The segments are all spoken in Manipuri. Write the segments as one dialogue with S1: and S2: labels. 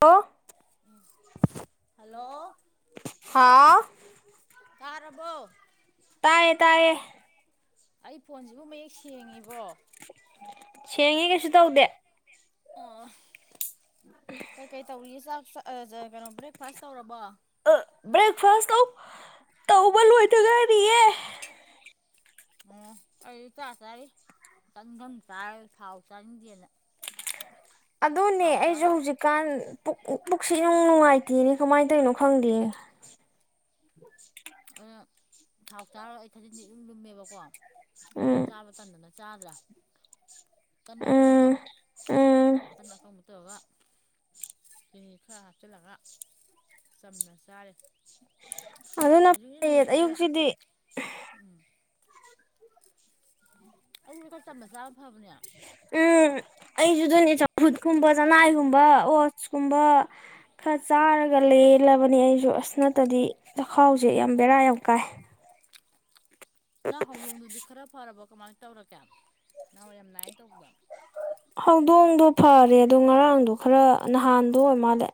S1: ꯑꯣ
S2: ꯍꯜꯂꯣ
S1: ꯍꯥꯥꯎ
S2: ꯇꯥꯔꯔꯕꯣ
S1: ꯇꯥꯌꯦ ꯇꯌꯦꯦ
S2: ꯑꯩ ꯐꯣꯟꯁꯤꯕꯨ ꯃꯌꯦꯛ ꯁꯦꯡꯉꯤꯕꯣ
S1: ꯁꯦꯡꯉꯦ ꯀꯩꯁꯨ ꯇꯧꯗꯦ
S2: ꯑꯣ ꯀꯩꯀꯩ ꯇꯧꯔꯤ ꯆꯥꯛ ꯀꯩꯅꯣ ꯕ꯭ꯔꯦꯛꯐꯥꯁ ꯇꯧꯔꯕꯣ
S1: ꯕ꯭ꯔꯦꯛꯐꯥꯁ ꯀꯧ ꯇꯧꯕ ꯂꯣꯏꯗꯒꯅꯤꯌꯦ
S2: ꯑꯣ ꯀ ꯆꯥ ꯆꯥꯔꯤ ꯆꯪꯐꯝ ꯆꯥꯔ ꯊꯥꯎ ꯆꯥꯅꯤꯡꯗꯦꯅ
S1: ꯑꯗꯨꯅꯦ
S2: ꯊꯥꯎ
S1: ꯑꯩꯁꯨ
S2: ꯆꯥꯔ
S1: ꯍꯧꯖꯤꯛꯀꯥꯟ ꯄꯨ ꯄꯨꯛꯁꯤ ꯅꯨꯡ ꯅꯨꯡꯉꯥꯏꯇꯦꯅꯦ ꯀꯃꯥꯏꯅ ꯇꯧꯔꯤꯅꯣ ꯈꯪꯗꯦ
S2: ꯑ
S1: [unintelligible]
S2: ꯊꯥꯎ ꯆꯥꯔ ꯑꯩ ꯊꯖꯤꯤꯟꯗꯤ ꯑꯗꯨꯨꯝ ꯂꯨꯝꯃꯦꯕꯀꯣ
S1: ꯎꯝ
S2: ꯆꯥꯕ ꯃꯇꯝꯟꯗꯅ ꯆꯥꯗ꯭ꯔꯥ ꯇꯟꯅ
S1: ꯎꯝ
S2: ꯑꯀꯪꯕꯗꯣ
S1: ꯎꯝ
S2: ꯇꯟꯅ ꯑꯀꯪꯕ ꯇꯧꯔꯒ ꯈ ꯍꯥꯞꯆꯦ ꯂꯒꯥ ꯆꯝꯅ ꯁꯥꯥꯔꯦ
S1: ꯑꯗꯨꯅ ꯐꯌꯦ ꯑꯌꯨꯛꯁꯤꯗꯤ
S2: ꯑꯀ ꯆ ꯃꯆꯥꯥ ꯑꯃ ꯐꯕꯅꯦ
S1: ꯑꯩꯁꯨꯗꯅꯦ ꯆꯝꯐꯨꯠ ꯀꯨꯝꯕ ꯆꯅꯥꯏꯒꯨꯝꯕ ꯑꯣꯆꯀꯨꯝꯕ ꯈꯔ ꯆꯥꯔꯒ ꯂꯦꯜꯂꯕꯅꯤ ꯑꯩꯁꯨ ꯑꯁ ꯅꯠꯇꯗꯤ ꯆꯈꯥꯎꯁꯦ ꯌꯥꯝ ꯕꯦꯔꯥ ꯌꯥꯝ ꯀꯥꯏ
S2: ꯅꯍꯥꯟ ꯍꯧꯗꯣꯡꯗꯨꯗꯤ ꯈꯔ ꯐꯔꯕ ꯀꯃꯥꯏꯅ ꯇꯧꯔꯒꯦ ꯅꯍꯥꯟꯋꯥ ꯌꯥꯝ ꯅꯥꯏꯅ ꯇꯧꯕꯗ
S1: ꯍꯧꯗꯣꯡꯗꯣ ꯐꯔꯦ ꯑꯗꯣ ꯉꯔꯥꯡꯗꯣ ꯈꯔ ꯅꯍꯥꯟꯗꯣ ꯑꯣꯏ ꯃꯥꯜꯂꯦ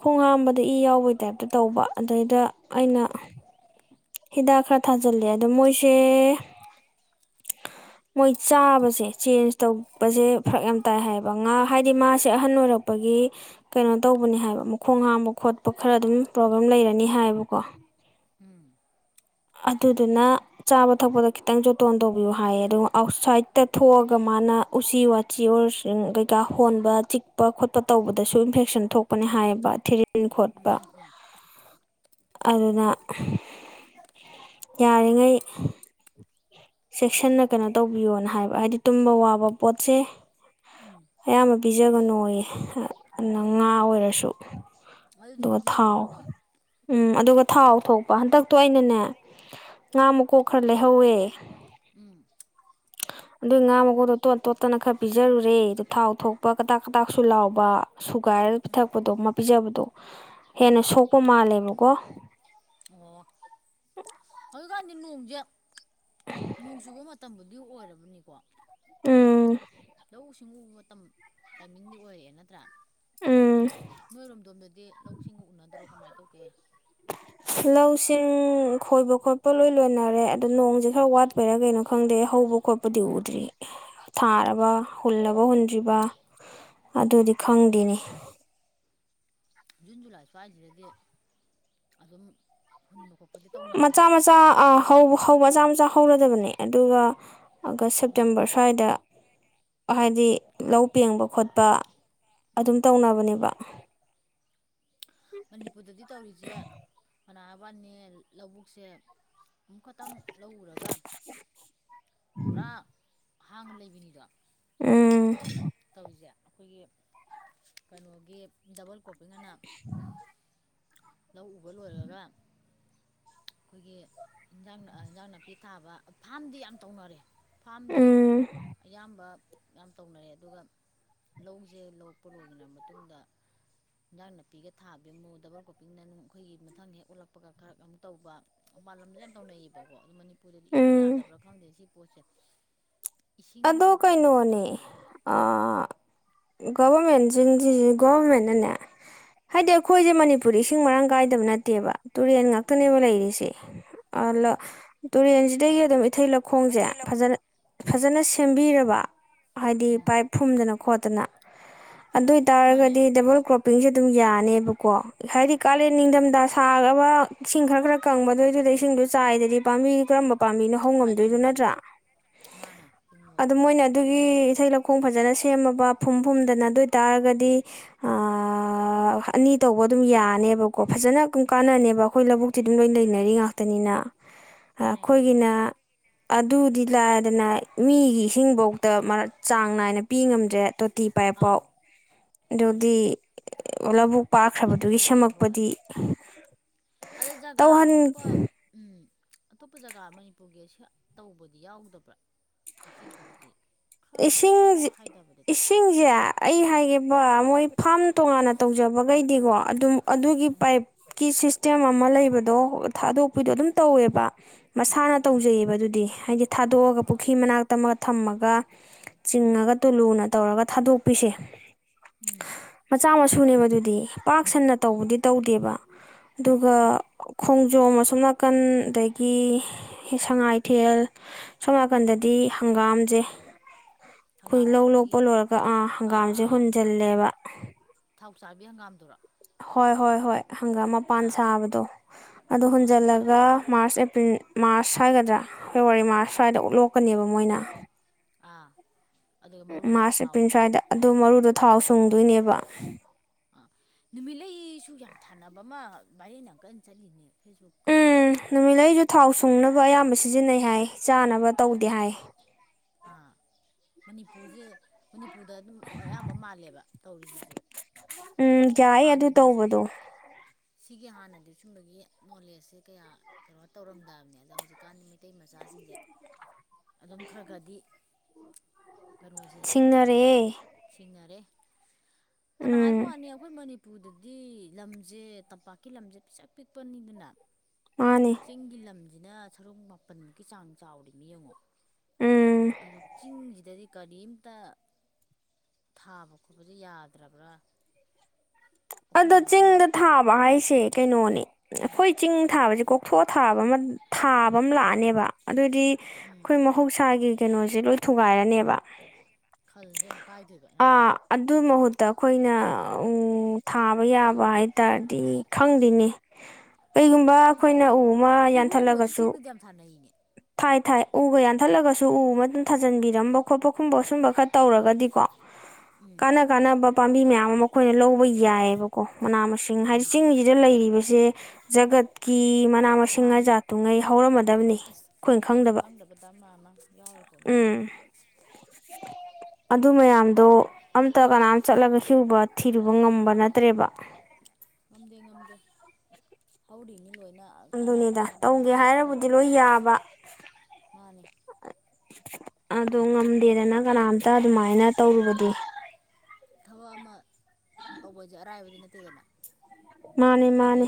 S1: ꯈꯣꯡ ꯍꯥꯝꯕꯗ ꯏ ꯌꯥꯎꯕꯒꯤ ꯇꯥꯏꯞꯇ ꯇꯧꯕ ꯑꯗꯩꯗ
S2: ꯑꯥ
S1: ꯑꯩꯅ ꯍꯤꯗꯥꯛ ꯈꯔ ꯊꯥꯖꯤꯜꯂꯦ ꯑꯗꯣ ꯃꯣꯏꯁꯦ
S2: [inaudible]
S1: ꯃꯣꯏ ꯆꯥꯕꯁꯦ ꯆꯦꯟꯖ ꯇꯧꯕꯁꯦ ꯐꯔꯛ ꯌꯥꯝ ꯇꯥꯏ ꯍꯥꯏꯌꯦꯕ ꯉꯥ ꯍꯥꯏꯗꯤ ꯃꯥꯁꯦ ꯑꯍꯟ ꯑꯣꯏꯔꯛꯄ ꯒꯤ ꯀꯩꯅꯣ ꯇꯧꯕꯅꯤ ꯍꯥꯏꯕ ꯃꯈꯣꯡ ꯍꯥꯥꯡꯕ ꯈꯣꯠꯄ ꯈꯔ ꯑꯗꯨꯝ ꯄ꯭ꯔꯣꯕ꯭ꯂꯦꯝ ꯂꯩꯔꯅꯤ ꯍꯥꯏꯕꯀꯣ
S2: [inaudible]
S1: ꯑꯗꯨꯗꯨꯅ ꯆꯥꯕ ꯊꯛꯄꯗ ꯈꯤꯇꯪ ꯣꯇꯣꯟ ꯇꯧꯕꯤꯌꯨ ꯍꯥꯏꯌꯦ ꯑꯗꯨꯒ ꯑꯥꯎꯠꯁꯥꯏꯗꯠꯇ ꯊꯣꯛꯑꯒ ꯃꯥꯅ ꯎꯆꯤ ꯋꯥꯆꯤ ꯑꯣꯔ ꯀꯩꯀꯥ ꯍꯣꯟꯕ ꯆꯤꯛꯄ ꯈꯣꯠꯄ ꯇꯧꯕꯗꯁꯨ ꯏꯟꯐꯦꯛꯁꯟ ꯊꯣꯛꯄꯅꯦ ꯍꯥꯏꯕ ꯊꯤꯔꯤꯟ ꯈꯣꯠꯄ ꯑꯗꯨꯅ ꯌꯥꯔꯤꯉꯩ ꯆꯦꯛꯁꯤꯟꯅ ꯀꯩꯅꯣ ꯇꯧꯕꯤꯌꯣꯅ ꯍꯥꯏꯕ ꯍꯥꯏꯗꯤ ꯇꯨꯝꯕ ꯋꯥꯕ ꯄꯣꯠꯁꯦ
S2: ꯎꯝ
S1: ꯑꯌꯥꯝꯕ ꯄꯤꯖꯕꯅꯨꯌꯦ ꯑꯗꯨ
S2: ꯑꯣ
S1: ꯉꯥ ꯑꯣꯏꯔꯁꯨ
S2: ꯑꯗꯨꯗꯤ
S1: ꯑꯗꯨꯒ ꯊꯥꯎ
S2: ꯄꯤꯖꯔꯨꯔꯅꯨ
S1: ꯎꯝ ꯑꯗꯨꯒ ꯊꯥꯎ ꯊꯣꯛꯄ ꯍꯟꯗꯛꯇꯣ ꯑꯩꯅꯅꯦ ꯉꯥ ꯃꯨꯀꯣꯛ ꯈꯔ ꯂꯩꯍꯧꯋꯦ
S2: ꯎꯝ
S1: ꯑꯗꯨ ꯉꯥ ꯃꯈꯀꯨꯗꯣꯇꯣꯠ ꯇꯣꯠꯇꯅ ꯈꯔ ꯄꯤꯖꯔꯨꯔꯦ ꯑꯗ ꯊꯥꯎ ꯊꯣꯛꯄ ꯀꯇꯥꯥꯛ ꯀꯇꯥꯛꯁꯨ ꯂꯥꯎꯕ ꯁꯨꯒꯥꯏꯔꯒ
S2: ꯎꯝ
S1: ꯄꯤꯊꯛꯄꯗꯣ ꯃꯥ ꯄꯤꯖꯕꯗꯣ
S2: ꯎꯝ
S1: ꯍꯦꯟꯅ ꯁꯣꯛꯄ ꯃꯥꯜꯂꯦꯕꯀꯣ
S2: ꯑꯣ ꯍꯧꯖꯤꯛꯀꯥꯟꯗꯤ ꯅꯣꯡꯁꯦ ꯅꯣꯡ ꯆꯨꯕ ꯃꯇꯝꯗꯨ ꯑꯗꯨ ꯑꯣꯏꯔꯕꯅꯤꯀꯣ ꯑꯗꯣ
S1: ꯎꯝ
S2: ꯂꯧꯁꯤꯡ ꯁꯤꯡꯎꯕ ꯃꯇꯝ ꯇꯥꯏꯃꯤꯡꯗꯤ ꯑꯣꯏꯔꯛꯑꯦ ꯅꯠꯇ꯭ꯔꯥ
S1: ꯎꯝ
S2: ꯅꯣꯏꯔꯣꯝꯗꯣꯝꯗꯗꯤ ꯂꯧꯁꯤꯡꯒ ꯎꯅꯗ꯭ꯔꯣ ꯀꯃꯥꯏꯅ ꯇꯧꯒꯦ
S1: ꯂꯧꯁꯤꯡ ꯈꯣꯏꯕ ꯈꯣꯠꯄ ꯂꯣꯏ ꯂꯣꯏꯅꯔꯦ ꯑꯗꯨꯣ ꯅꯣꯡꯁꯦ ꯈꯔ ꯋꯥꯠꯄꯩꯔꯥ ꯀꯩꯅꯣ ꯈꯪꯗꯦ ꯍꯧꯕ ꯈꯣꯠꯄ ꯑꯇꯣꯞꯄꯗꯤ ꯎꯗ꯭ꯔꯤ ꯊꯥꯔꯕ ꯍꯨꯜꯂꯒ ꯍꯨꯟꯗ꯭ꯔꯤꯕ
S2: [inaudible]
S1: ꯑꯗꯨꯗꯤ ꯈꯪꯗꯦꯅꯤ
S2: ꯖꯨꯟ ꯖꯨꯂꯥꯏꯁꯨꯋꯥꯏꯁꯤꯗꯗꯤ ꯑꯗꯨꯝ ꯍꯨꯟꯕ ꯈꯣꯠꯄꯗꯤ
S1: ꯃꯆꯥ
S2: ꯇꯧꯅꯕꯅꯦꯕ
S1: ꯃꯆꯥ ꯍꯧꯕ ꯃꯆꯥ ꯃꯆꯥ ꯍꯧꯔꯗꯕꯅꯦ ꯑꯗꯨꯒ ꯑꯥꯒꯁ
S2: ꯎꯝ
S1: ꯁꯦꯞꯇꯦꯝꯕꯔ ꯁ꯭ꯋꯥꯏꯗ ꯍꯥꯏꯗꯤ ꯂꯧ ꯄꯦꯡꯕ ꯈꯣꯠꯄ ꯑꯗꯨꯝ
S2: ꯎꯝ
S1: ꯇꯧꯅꯕꯅꯦꯕ
S2: ꯃꯅꯤꯄꯨꯔꯗꯗꯤ ꯇꯧꯔꯤꯁꯦ ꯃꯅꯥꯕꯥꯅꯦ ꯂꯧꯕꯨꯛꯁꯦ ꯑꯃꯨꯛ ꯈꯛꯇꯪ ꯂꯧꯔꯒ ꯄꯨꯔꯥ ꯍꯥꯡꯅ ꯂꯩꯕꯅꯤꯗꯣ
S1: ꯎꯝ
S2: ꯇꯧꯔꯤꯁꯦ ꯑꯩꯈꯣꯏꯒꯤ ꯀꯩꯅꯣꯒꯤ ꯗꯕꯜ ꯀꯣ ꯑꯩ ꯉꯅ ꯂꯧ ꯎꯕ ꯂꯣꯏꯔꯒ ꯑꯩꯈꯣꯏꯒꯤ ꯏꯟꯖꯥꯡ ꯏꯟꯖꯥꯡ ꯅꯥꯄꯤ ꯊꯥꯕ ꯐꯥꯝꯗꯤ ꯌꯥꯝ ꯇꯧꯅꯔꯦ ꯐꯥꯝꯗꯤ
S1: ꯎꯝ
S2: ꯑꯌꯥꯝꯕ ꯌꯥꯝ ꯇꯧꯅꯔꯦ ꯑꯗꯨꯒ ꯂꯧꯁꯦ ꯂꯧꯄ ꯂꯣꯏꯈꯔꯕ ꯃꯇꯨꯡꯗ ꯍꯟꯖꯥꯡ ꯅꯥꯄꯤꯒ ꯊꯥꯕꯤꯔꯝꯃꯨ ꯗꯕꯜ ꯀꯒꯣꯄꯤꯡꯗ ꯅꯨꯡ ꯑꯩꯈꯣꯏꯒꯤ ꯃꯊꯪ ꯍꯦꯛ ꯑꯣꯜꯂꯛꯄꯒ ꯈꯔ ꯑꯃꯨꯛ ꯇꯧꯕ ꯃꯄꯥꯟ ꯂꯝꯗ ꯌꯥꯝ ꯇꯧꯅꯩꯌꯦꯕꯀꯣ ꯑ ꯃꯅꯤꯄꯨꯔꯗꯗꯤ ꯏꯌꯥ
S1: ꯎꯝ
S2: ꯌꯥꯗꯕ꯭ꯔꯥ ꯈꯪꯗꯦ ꯁꯤ ꯄ ꯆꯦꯛ
S1: ꯑꯗꯣ ꯀꯩꯅꯣꯅꯦ ꯑ ꯒꯣꯕꯔꯃꯦꯟꯁꯤꯡꯁꯤ ꯒꯣꯔꯔꯃꯃꯦꯟꯅꯅꯦ ꯍꯥꯏꯗꯤ
S2: ꯎꯝ
S1: ꯑꯩꯈꯣꯏꯁꯦ ꯃꯅꯤꯄꯨꯔꯤ ꯏꯁꯤꯡ ꯃꯔꯥꯡ ꯀꯥꯏꯗꯕ ꯅꯠꯇꯦꯕ ꯇꯨꯔꯦꯟ
S2: ꯎꯝ
S1: ꯉꯥꯛꯇꯅꯦꯕ ꯂꯩꯔꯤꯁꯦ ꯑꯗ
S2: ꯎꯝ
S1: ꯇꯨꯔꯦꯟꯁꯤꯗꯒꯤ ꯑꯗꯨꯝ ꯏꯊꯩ
S2: ꯂꯣꯏ
S1: ꯂꯧꯈꯣꯡꯁꯦ
S2: ꯊꯩ ꯂꯧ
S1: ꯐꯖꯅ
S2: ꯎꯝ
S1: ꯐꯖꯅ ꯁꯦꯝꯕꯤꯔꯕ ꯍꯥꯏꯗꯤ
S2: ꯎꯝ
S1: ꯄꯥꯏꯞ ꯐꯨꯝꯗꯅ ꯈꯣꯠꯇꯅ ꯑꯗꯨ
S2: ꯃꯥꯅꯦ
S1: ꯑꯣꯏꯇꯥꯔꯒꯗꯤ ꯗꯕꯜ ꯀ꯭ꯔꯣꯞꯄꯤꯡꯁꯦ ꯑꯗꯨꯝ ꯌꯥꯅꯦꯕꯀꯣ ꯍꯥꯏꯗꯤ ꯀꯥꯂꯦꯟ ꯅꯤꯡꯊꯝꯊ ꯁꯥꯕ ꯏꯁꯤꯡ ꯈꯔ ꯈꯔ ꯀꯪꯕꯗꯣꯏꯗꯨꯗ ꯏꯁꯤꯡ ꯆꯥꯏꯗꯗꯤ ꯄꯥꯝꯕꯤ ꯀꯔꯝꯕ ꯄꯥꯝꯕꯤꯅ ꯍꯧ
S2: ꯍꯋꯥꯏ
S1: ꯉꯝꯗꯣꯏꯗꯨ
S2: ꯍꯤꯡꯗꯣꯔꯦ
S1: ꯅꯠꯇ꯭ꯔꯥ
S2: ꯃꯥꯅꯦ
S1: ꯑ
S2: ꯍꯤꯡꯉꯣꯏ
S1: ꯃꯣꯏꯅ ꯑꯗꯨ ꯑꯩꯒꯤ ꯏꯁꯩꯊ ꯂꯧꯈꯣꯡ ꯐꯖꯅ ꯁꯦꯝꯃꯕ ꯐꯨꯝ ꯐꯨꯝꯗꯅ ꯑꯗꯨ ꯑꯣꯏꯇꯥꯥꯔꯒꯗꯤ ꯑꯅꯤ ꯇꯧꯕ ꯑꯗꯨꯝ ꯌꯥꯅꯦꯕꯀꯣ ꯐꯖꯅ ꯑꯗꯨꯝ ꯀꯥꯟꯅꯅꯦꯕ ꯑꯩꯈꯣꯏ ꯂꯧꯕꯨꯛꯇꯤ ꯑꯗꯨꯝ ꯂꯣꯏ ꯂꯩꯅꯔꯤ ꯉꯥꯛꯇꯅꯤꯅ
S2: ꯃꯥꯅꯦ
S1: ꯑꯩꯈꯣꯏꯒꯤꯅ
S2: ꯂꯩꯅꯔꯤꯅꯦ
S1: ꯑꯗꯨꯗꯤ ꯂꯥꯛꯗꯅ ꯃꯤꯒꯤ ꯏꯁꯤꯡꯐꯧꯗ ꯃꯔ ꯆꯥꯡ ꯅꯥꯏꯅ ꯄꯤ ꯉꯝꯗ꯭ꯔꯦ ꯇꯤ ꯄꯥꯏ ꯄꯥꯎ
S2: ꯑꯥꯎ
S1: ꯑꯗꯨꯗꯤ
S2: ꯃꯥꯅꯤꯅꯦ
S1: ꯑꯣꯂꯕꯨ
S2: ꯂꯧꯕꯨꯛꯇꯗꯤ ꯍꯣꯏ ꯑꯗ ꯖꯒꯥ
S1: ꯇꯧꯍꯟ
S2: ꯑꯇꯣꯞꯄ ꯎꯝ ꯑꯇꯣꯞꯄ ꯖꯒꯥ ꯃꯅꯤꯄꯨꯔꯒꯤ ꯇꯧꯕꯗꯤ ꯌꯥꯎꯗꯕ꯭ꯔꯥ ꯃꯁꯤꯒꯤ ꯊꯕꯛꯁꯦ ꯈꯔ ꯃꯈꯩ
S1: ꯏꯁꯤꯡꯁꯦ
S2: ꯑꯇꯣꯞꯄ ꯍꯥꯏꯗꯕꯗꯗꯤ
S1: ꯏꯁꯤꯡꯁꯦ ꯑꯩ ꯍꯥꯏꯒꯕ ꯃꯣꯏ ꯐꯥꯝ ꯇꯣꯉꯥꯟꯅ ꯇꯧꯖꯕꯈꯩꯗꯤꯀꯣ ꯑꯗꯨꯝ ꯑꯗꯨꯒꯤ
S2: ꯎꯝ
S1: ꯄꯥꯏꯞꯀꯤꯁ ꯁꯤꯁꯇꯦꯝ ꯑꯃ ꯂꯩꯕꯗꯣ ꯊꯥꯗꯣꯛꯄꯤꯗꯣ ꯑꯗꯨꯝ ꯇꯧꯋꯦꯕ ꯃꯁꯥꯅ
S2: ꯑꯥ
S1: ꯇꯧꯖꯩꯑꯕ ꯑꯗꯨꯗꯤ ꯍꯥꯏꯗꯤ ꯊꯥꯗꯣꯛꯑꯒ
S2: ꯑꯥ
S1: ꯄꯨꯈ꯭ꯔꯤ ꯃꯅꯥꯛꯇ ꯑꯃꯒ ꯊꯝꯃꯒ ꯆꯤꯡꯉꯒ ꯇꯨꯂꯨꯅ ꯇꯧꯔꯒ ꯊꯥꯗꯣꯛꯄꯤꯁꯦ
S2: ꯎꯝ
S1: ꯁ ꯁꯨꯅꯦꯕ ꯑꯗꯨꯗꯤ ꯄꯥꯛ ꯁꯟꯅ
S2: ꯎꯝ
S1: ꯇꯧꯕꯗꯤ ꯇꯧꯗꯦꯕ ꯑꯗꯨꯒ
S2: ꯎꯝ
S1: ꯈꯣꯡ ꯅꯣꯡꯃ ꯑꯁꯨꯝ ꯅꯥꯀꯟ ꯑꯗꯒꯤ ꯁꯉꯥꯏꯊꯦꯜ ꯁꯣꯝ
S2: ꯎꯝ
S1: ꯅꯥꯀꯟꯗꯗꯤ ꯍꯪꯒꯥꯝꯁꯦ ꯑꯩꯈꯣꯏ
S2: ꯍꯪꯒꯥꯝ
S1: ꯂꯧ ꯂꯣꯛꯄ
S2: ꯑꯩꯈꯣꯏꯒꯤ
S1: ꯂꯣꯏꯔꯒ ꯑ
S2: ꯑꯥ ꯑꯥ
S1: ꯍꯪꯒꯥꯝꯁꯦ
S2: ꯑꯥ ꯍꯪꯒꯥꯝꯗꯣ
S1: ꯍꯨꯟꯖꯤꯜꯂꯦꯕ
S2: ꯊꯥꯎ ꯆꯥꯕꯤ ꯍꯪꯒꯥꯝꯗꯨꯔꯣ
S1: ꯍꯣꯏ ꯍꯣꯏ ꯍꯣꯏ ꯍꯪꯒꯥꯝ ꯃꯄꯥꯟ
S2: ꯑꯥ
S1: ꯁꯥꯕꯗꯣ ꯑꯗꯨ
S2: ꯑꯥ
S1: ꯍꯨꯟꯖꯜꯂꯒ ꯃꯥꯔꯆ ꯃꯥꯔꯁ ꯍꯥꯏꯒꯗ꯭ꯔꯥ ꯐꯦꯕꯋꯥꯔꯤ ꯃꯥꯔꯁ ꯁ꯭ꯋꯥꯏꯗ ꯎꯠꯂꯣꯛꯀꯅꯦꯕ ꯃꯣꯏꯅ
S2: ꯑꯥ ꯑꯗꯨꯒ ꯃꯔꯨꯗꯣ
S1: ꯃꯥꯔꯆ
S2: ꯊꯥꯎ
S1: ꯑꯦꯄ꯭ꯔꯤꯜ ꯁ꯭ꯋꯥꯏꯗ ꯑꯗꯨ
S2: ꯁꯨꯡꯕ
S1: ꯃꯔꯨꯗꯣ ꯊꯥꯎ ꯁꯨꯡꯗꯣꯏꯅꯦꯕ
S2: ꯑꯥ ꯅꯨꯃꯤꯠꯂꯩꯁꯨ ꯌꯥꯝ ꯊꯥꯅꯕ ꯑꯃ ꯃꯔꯅ ꯑꯃꯨꯛ ꯀ ꯆꯠꯂꯤꯅꯦ ꯐꯦꯁꯕꯨꯛꯀꯨꯝꯕ
S1: ꯎꯝ
S2: ꯏꯟꯁꯇꯥꯒ꯭ꯔꯥꯝꯒꯨꯝꯕꯗ
S1: ꯅꯨꯃꯤꯠꯂꯩꯁꯨ ꯊꯥꯎ ꯁꯨꯡꯅꯕ ꯑꯌꯥꯝꯕ ꯁꯤꯖꯤꯟꯅꯩ ꯍꯥꯏ ꯆꯥꯅꯕ ꯇꯧꯗꯦ ꯍꯥꯏ
S2: ꯑꯥ ꯃꯅꯤꯄꯨꯔꯁꯦ ꯃꯅꯤꯄꯨꯔꯗ ꯑꯗꯨꯝ ꯑꯌꯥꯝꯕ ꯃꯥꯜꯂꯦꯕ ꯇꯧꯔꯤꯁꯤꯁꯨ
S1: ꯎꯝ ꯌꯥꯏ ꯑꯗꯨ
S2: ꯍꯥꯟꯅꯗꯤ ꯁꯤꯒꯤ
S1: ꯇꯧꯕꯗꯣ
S2: ꯁꯤꯒꯤ ꯍꯥꯟꯅꯗꯤ ꯁꯨꯝꯕꯒꯤ ꯅꯣꯂꯦꯖꯁꯦ ꯀꯌꯥ ꯀꯩꯅꯣ ꯇꯧꯔꯝꯗꯕꯅꯦ ꯑꯗ ꯍꯧꯖꯤꯛꯀꯥꯟꯗꯤ ꯃꯩꯇꯩ ꯃꯆꯥꯁꯤ ꯑꯗꯨꯝ ꯈꯔ ꯈꯗꯤ ꯀꯩꯅꯣꯁꯦ
S1: ꯁꯤꯡꯅꯔꯛꯑꯦ
S2: ꯁꯤꯖꯤꯟꯅꯔꯦ ꯐꯅ
S1: ꯎꯝ
S2: ꯍꯥꯏꯕꯅꯤ ꯑꯩꯈꯣꯏ ꯃꯅꯤ ꯎꯄꯨꯗꯗꯤ ꯂꯝꯁꯦ ꯇꯝꯄꯥꯛꯀꯤ ꯂꯝꯁꯦ ꯄꯤꯁꯛ ꯄꯤꯛꯄꯅꯤꯗꯅ
S1: ꯃꯥꯅꯤ
S2: ꯆꯤꯡꯒꯤ ꯂꯝꯁꯤꯅ ꯁꯔꯨꯛ ꯃꯥꯄꯜꯃꯨꯛꯀꯤ ꯆꯥꯡ ꯆꯥꯎꯔꯤꯅꯦ ꯌꯦꯡꯉꯣ
S1: ꯎꯝ
S2: ꯑꯗꯨꯗ ꯆꯤꯡ ꯍꯗꯔ ꯀꯔꯤꯝꯇ ꯊꯥꯕ ꯈꯣꯠꯄꯁ ꯌꯥꯗ꯭ꯔꯕ꯭ꯔꯥ
S1: ꯑꯗꯣ
S2: ꯑꯩꯈꯣꯏꯅ ꯑꯃꯨꯛ
S1: ꯆꯤꯡꯗ ꯊꯥꯕ ꯍꯥꯏꯁꯦ ꯀꯩꯅꯣꯅꯦ ꯑꯩꯈꯣꯏ ꯆꯤꯡ ꯊꯥ ꯊꯕ ꯑꯗꯨꯗꯤ
S2: ꯎꯝ
S1: ꯑꯩꯈꯣꯏ ꯃꯍꯧꯁꯥꯒꯤ ꯀꯩꯅꯣꯁꯦ ꯂꯣꯏ ꯊꯨꯒꯥꯏꯔꯅꯦꯕ
S2: ꯈꯜꯁꯦ ꯑꯃꯨꯛ ꯀꯥꯏꯗꯣꯏꯕ ꯅꯠꯇ꯭ꯔꯥ
S1: ꯑꯥ ꯑꯗꯨ ꯃꯍꯨꯠꯇ ꯑꯩꯈꯣꯏꯅ ꯊꯥꯕ ꯌꯥꯕ ꯍꯥꯏꯇꯥꯔꯗꯤ ꯈꯪꯗꯦꯅꯤ ꯀꯩꯒꯨꯝꯕ ꯑꯩꯈꯣꯏ ꯑꯩꯅ ꯎ ꯑꯃ
S2: ꯀꯤꯍꯣꯝꯒꯁꯨ
S1: ꯌꯥꯟꯊꯠꯂꯒꯁꯨ
S2: ꯆꯤꯡꯗꯗꯤ ꯌꯥꯝ ꯊꯥꯅꯩꯅꯦ
S1: ꯊꯥꯏ ꯊꯥꯏ ꯎꯒ ꯌꯥꯟꯊꯠꯂꯒꯁꯨ ꯎ ꯑꯃꯗ ꯊꯥꯖꯟꯕꯤꯔꯝꯕ ꯈꯣꯠꯄ ꯈꯨꯝꯕ ꯁꯨꯝꯕ ꯈꯔ ꯇꯧꯔꯒꯗꯤꯀꯣ
S2: ꯎꯝ
S1: ꯀꯥꯟꯅ ꯀꯥꯟꯅꯕ ꯄꯥꯝꯕꯤ ꯃꯌꯥꯝ ꯑꯃ ꯑꯩꯈꯣꯏꯅ ꯂꯧꯕ ꯌꯥꯏꯌꯦꯑꯕꯀꯣ ꯃꯅꯥ ꯃꯁꯤꯡ ꯍꯥꯏꯗꯤ
S2: ꯎꯝ
S1: ꯆꯤꯡꯁꯤꯗ ꯂꯩꯔꯤꯕꯁꯦ ꯖꯒꯠꯀꯤ ꯃꯅꯥ ꯃꯁꯤꯡꯅ
S2: ꯃꯥꯅꯤ
S1: ꯖꯥꯠꯇꯨꯉꯩ ꯍꯧꯔꯝꯃꯗꯕꯅꯤ
S2: ꯑꯦꯁ ꯑꯩꯈꯣꯏꯅ ꯈꯪꯗꯕꯗ ꯑꯃ ꯑꯃ ꯌꯥꯎꯔꯤ ꯄꯝꯗ
S1: ꯎꯝ ꯑꯗꯨ ꯃꯌꯥꯝꯗꯣ ꯑꯝꯇ ꯀꯅꯥꯝ ꯆꯠꯂꯒ ꯍꯤꯨꯕ ꯊꯤꯔꯨꯕ ꯉꯝꯕ ꯅꯠꯇ꯭ꯔꯦꯕ
S2: ꯉꯝꯗꯦ ꯉꯝꯗꯦ ꯍꯧꯥꯎꯗꯤꯅꯤ ꯂꯣꯏꯅ ꯀꯥꯟꯅ
S1: ꯑꯗꯨꯅꯤꯗ
S2: ꯀꯥꯟꯅꯕꯒꯤ
S1: ꯇꯧꯒꯦ
S2: ꯍꯤꯗꯥꯛ
S1: ꯍꯥꯏꯕꯨꯗꯤ ꯂꯣꯏ ꯌꯥꯕ
S2: ꯍꯅꯤ [unintelligible]
S1: ꯑꯗꯣ ꯉꯝꯗꯦꯗꯅ ꯀꯅꯥꯝꯇ ꯑꯗꯨꯃꯥꯏꯅ ꯇꯧꯔꯨꯕꯗꯤ
S2: ꯊꯕꯛ ꯑꯃ ꯇꯧꯕꯁꯦ ꯑꯔꯥꯏꯕꯗꯤ ꯅꯠꯇꯦꯗꯅ
S1: ꯃꯥꯅꯦ ꯃꯥꯅꯦ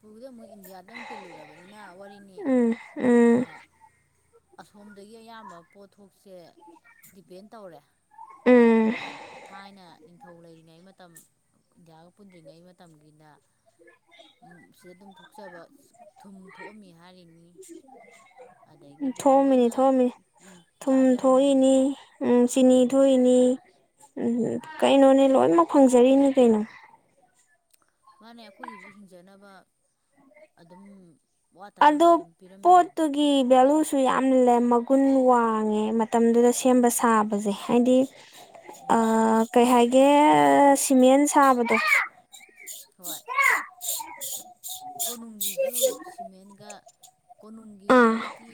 S2: ꯎ ꯄꯨꯗ ꯑꯃꯨꯛ ꯏꯟꯗꯤꯌꯥꯗꯪꯨꯛ ꯇꯤꯜꯂꯨꯔꯕꯅꯤꯅ ꯋꯥꯔꯤꯅꯤ
S1: ꯎꯝ ꯎꯝ
S2: ꯑꯁꯣꯝꯗꯒꯤ ꯑꯌꯥꯝꯕ ꯄꯣꯠꯊꯣꯛꯁꯦ ꯗꯤꯄꯦꯟ ꯇꯧꯔꯦ
S1: ꯎꯝ
S2: ꯊꯥꯏꯅ ꯅꯤꯡꯊꯧ ꯂꯩꯔꯤꯉꯩ ꯃꯇꯝ ꯏꯟꯗꯤꯌꯥꯒ ꯄꯨꯟꯗ꯭ꯔꯤꯉꯩ ꯃꯇꯝꯒꯤꯗ ꯁꯤꯗ ꯑꯗꯨꯝ ꯊꯣꯛꯆꯕ ꯊꯨꯝ ꯊꯣꯛꯑꯝꯃꯤ ꯍꯥꯏꯔꯤꯅꯤ ꯑꯗꯒꯤꯗꯤ
S1: ꯊꯣꯛꯑꯝꯃꯤꯅꯤ
S2: ꯂꯣꯏꯅ
S1: ꯊꯣꯡꯑꯝꯃꯤꯅꯤ ꯊꯨꯝ ꯊꯣꯛꯏꯅꯤ
S2: ꯆꯥꯖꯔꯝꯃꯤꯅꯦꯕ
S1: ꯎꯝ ꯆꯤꯅꯤ
S2: ꯎꯝ
S1: ꯊꯣꯛꯏꯅꯤ ꯎꯝ ꯀꯩꯅꯣꯅꯦ ꯂꯣꯏꯅꯃꯛ ꯐꯪꯖꯔꯤꯅꯦ ꯀꯩꯅꯣ
S2: ꯃꯥꯅꯦ ꯑꯩꯈꯣꯏꯒꯤꯁꯨ ꯍꯤꯡꯖꯅꯕ ꯑꯗꯨꯝ ꯋꯥꯠꯇꯅꯕ
S1: ꯑꯗꯣ
S2: ꯑꯗꯨꯝ ꯄꯤꯔꯝꯃꯤꯅꯤ
S1: ꯄꯣꯠꯇꯨꯒꯤ ꯕꯂ ꯁꯨ ꯌꯥꯝꯜꯂꯦ ꯃꯒꯨꯟ ꯋꯥꯡꯉꯦ ꯃꯇꯝꯗꯨꯗ ꯁꯦꯝꯕ ꯁꯥꯕꯁꯦ ꯍꯥꯏꯗꯤ ꯀꯩ ꯍꯥꯏꯥꯏꯒꯦ ꯁꯤꯃꯦꯟ ꯁꯥꯕꯗꯣ
S2: ꯍꯣꯏ ꯀꯣꯅꯨꯡꯒꯤꯁꯨ ꯁꯤꯃꯦꯟꯒ ꯀꯣꯅꯨꯡꯒꯤ ꯑꯩꯈꯣꯏꯒꯤ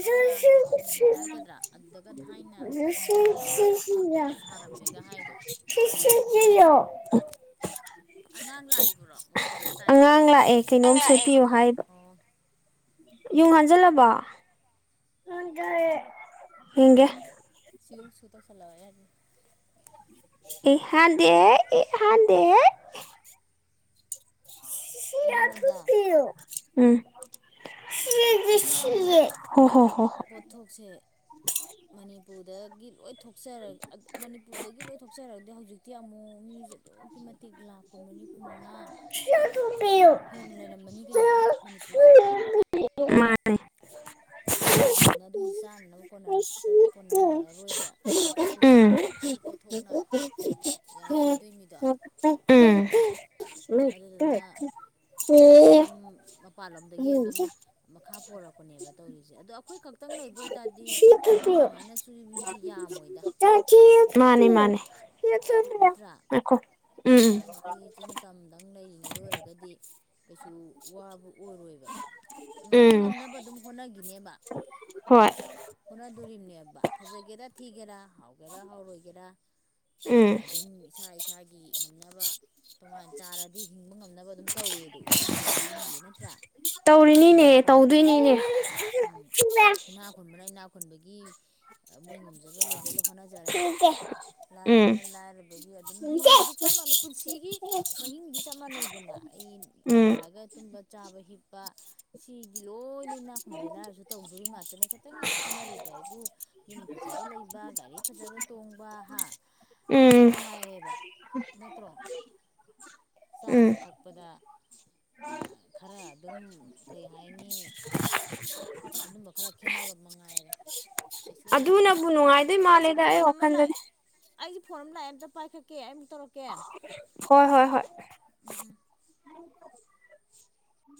S2: ꯀꯪꯂꯥꯒꯤ ꯀꯣꯅꯨꯡ ꯍꯥꯏꯒꯗ꯭ꯔꯥ ꯑꯗꯨꯗꯒ ꯊꯥꯏꯅ ꯅꯃꯦꯒ ꯍꯥꯏꯗꯣ
S1: ꯑ
S2: ꯑꯉꯥꯡ ꯂꯥꯛꯏꯕ꯭ꯔꯣ ꯃꯈꯣꯟ ꯑꯃ ꯇꯥꯏꯅꯦ
S1: ꯑꯉꯥꯡ ꯂꯥꯛꯑꯦ ꯀꯩꯅꯣꯝ
S2: ꯑꯉꯥꯡ ꯂꯥꯛꯑꯦ
S1: ꯁꯦꯠꯄꯤꯌꯣ ꯍꯥꯏꯕ
S2: ꯑꯣ
S1: ꯌꯨꯝ
S2: ꯎꯝ
S1: ꯍꯟꯖꯜꯂꯕꯣ ꯦ ꯍꯦ
S2: ꯁꯤꯎ ꯁ ꯇꯧ ꯆꯂꯑꯦ ꯑꯗꯨ
S1: ꯑꯦ ꯍꯥꯟꯗꯦ ꯏ ꯍꯥꯟꯗꯦꯦ ꯁꯤ
S2: ꯑꯗꯨꯅꯤꯗ
S1: ꯄ
S2: ꯑꯗꯨꯅ
S1: ꯎꯝ ꯍ ꯍꯣ ꯍꯣ ꯍ
S2: ꯃꯅꯤꯄꯗꯒꯤ ꯂꯣꯏ ꯊꯣꯛꯆꯔꯒ ꯃꯅꯤꯄꯨꯔꯗꯒꯤ ꯂꯣꯏ ꯊꯣꯛꯆꯔꯒꯗꯤ ꯍꯧꯖꯤꯛꯇꯤ ꯑꯃꯨꯛ ꯃꯤꯁꯦ ꯑꯗꯨꯛꯀꯤ ꯃꯇꯤꯛ ꯂꯥꯛꯀꯨꯝꯕꯅꯤ ꯀꯨꯟꯃꯉꯥ ꯍꯦꯟꯅ ꯂꯩꯔꯝꯃꯅꯤ ꯀꯩꯅꯣ ꯃꯅꯤꯄꯨꯔꯁꯦ
S1: ꯄ
S2: ꯑꯗꯨꯗꯨꯅ ꯑꯗꯨꯒꯤ ꯆꯥꯅꯅꯕꯣꯟꯅꯔ ꯀꯣꯟꯅꯔꯛꯔꯣꯏꯕ ꯑꯩꯈꯣꯏ ꯃꯅꯤꯄꯨꯔ ꯈꯛꯇꯒꯤ ꯄꯣꯠꯊꯣꯛꯅ ꯌꯥꯔꯛꯑꯣꯏꯗꯣꯏꯃꯤꯗꯣ
S1: ꯎꯝ ꯎꯁꯦ
S2: ꯑꯗꯨꯗꯨꯅ ꯑꯗꯨꯝ ꯃꯄꯥꯟꯂꯣꯝꯗꯒꯤ ꯑꯗꯨꯝ ꯃꯈꯥ ꯄꯣꯔꯛꯄꯅꯦꯕ ꯇꯧꯔꯤꯁꯦ ꯑꯗꯣ ꯑꯩꯈꯣꯏ ꯈꯛꯇꯪ ꯂꯩꯩꯕ ꯑꯣꯏꯇꯥꯔꯗꯤ ꯁꯨꯃꯥꯏꯅ ꯁꯨ ꯃꯤꯁꯦ ꯌꯥꯝꯃꯣꯏꯗ
S1: ꯇꯈꯤ ꯃꯥꯅꯦ
S2: ꯅꯠꯇ꯭ꯔꯥ
S1: ꯃꯥꯅꯦꯈꯣ ꯎꯝ
S2: ꯊꯥꯏꯅ ꯑꯩꯈꯣꯏꯒꯤ ꯆꯤꯡ ꯇꯝꯗꯪ ꯂꯩꯔꯤꯉꯩꯗ ꯑꯣꯏꯔꯒꯗꯤ ꯀꯩꯁꯨ ꯋꯥ ꯑꯣꯏꯔꯣꯏꯕ ꯉ
S1: ꯎꯝ
S2: ꯉꯝꯅꯕ ꯑꯗꯨꯝ ꯍꯣꯠꯅ ꯑꯗꯨꯅꯦꯕ
S1: ꯍꯣꯏ
S2: ꯍꯣꯠꯅꯗꯣꯔꯤꯕꯅꯦꯕ ꯐꯖꯒꯦꯔꯥ ꯊꯤꯒꯦꯔꯥ ꯍꯥꯎꯒꯦꯔꯥ ꯍꯥꯎꯔꯣꯏꯒꯦꯔꯥ
S1: ꯎꯝ
S2: ꯑꯗꯨꯝ ꯏꯁꯥ ꯏꯁꯥꯒꯤ ꯉꯝꯅꯕ ꯇꯣꯉꯥꯟ ꯆꯥꯔꯗꯤ ꯍꯤꯡꯕ ꯉꯝꯅꯕ ꯑꯗꯨꯝ ꯇꯧꯋꯦꯗꯣ ꯐꯦꯃꯤꯂꯤ ꯑꯃꯒꯤ ꯅꯠꯇ꯭ꯔꯥ ꯏꯅꯥꯛ
S1: ꯅꯦ
S2: ꯈꯨꯟꯕꯅ
S1: ꯇꯧꯗꯣꯏꯅꯦꯅꯦ
S2: ꯏꯅꯥ ꯈꯨꯟꯕꯅ ꯏꯅꯥ ꯈꯨꯟꯕꯒꯤ ꯃꯣꯏ ꯉꯝꯖꯕ ꯂꯦꯕꯦꯜꯗ ꯍꯣꯠꯅꯖꯔꯦ
S1: ꯎꯝ
S2: ꯂꯥꯏꯔꯕꯅ
S1: ꯎꯝ
S2: ꯂꯥꯏꯔꯕꯒꯤ ꯑꯗꯨꯝ ꯍꯤꯡꯕꯗꯤ ꯆꯞ ꯃꯥꯟꯅꯩ ꯄꯨꯟꯁꯤꯒꯤ ꯃꯍꯤꯡꯗꯤ ꯆꯞ ꯃꯥꯟꯅꯩꯗꯅ ꯑꯩ ꯅꯣꯡꯉꯥꯜꯂꯒ ꯇꯨꯝꯕ ꯆꯥꯕ ꯍꯤꯞꯄ ꯁꯤꯗꯤ ꯂꯣꯏꯅ ꯏꯅꯥ ꯈꯨꯨꯝꯕꯗ ꯂꯥꯏꯔꯁꯨ ꯇꯧꯗꯣꯔꯤ ꯉꯥꯛꯇꯅꯦ ꯈꯤꯇꯪ ꯈꯦꯠꯅꯔꯤꯕ ꯑꯩꯕꯨ ꯌꯨꯝ ꯐꯖꯕ ꯂꯩꯕ ꯒꯥꯔꯤ ꯐꯖꯕ ꯇꯣꯡꯕ ꯍꯥ ꯑꯗꯨ
S1: ꯎꯝ
S2: ꯃꯉꯥꯏꯌꯦꯕ ꯅꯠꯇ꯭ꯔꯣ ꯆꯥꯕ
S1: ꯎꯝ
S2: ꯊꯛꯄꯗ ꯈꯔ ꯑꯗꯨꯝ ꯀꯩ
S1: [unintelligible]
S2: ꯍꯥꯏꯅꯤ ꯑꯗꯨꯝꯕ ꯈꯔ
S1: [unintelligible]
S2: ꯈꯦꯠꯅꯕ ꯃꯉꯥꯏꯔꯦ ꯀꯩꯁꯨ
S1: ꯑꯗꯨ
S2: ꯍꯦꯟꯅ
S1: ꯅꯕꯨ
S2: ꯍꯦꯛꯇ
S1: ꯅꯨꯡꯉꯥꯏꯗꯨꯏ
S2: ꯑꯩꯁꯦ
S1: ꯃꯥꯂꯦꯗ ꯑꯩ
S2: ꯐꯣꯟ ꯑꯃ ꯂꯥꯛꯑꯦ
S1: ꯋꯥꯈꯟꯗꯗꯤ꯫
S2: ꯑꯩꯒꯤ ꯐꯣꯟ ꯑꯃ ꯂꯥꯛꯑ ꯑꯝꯇ ꯄꯥꯏꯈꯛꯀꯦ
S1: ꯍꯣꯏ ꯍꯣꯏ ꯍꯣꯏ
S2: [unintelligible] ꯎꯝ ꯎ